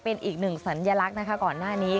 เป็นอีกหนึ่งสัญลักษณ์นะคะก่อนหน้านี้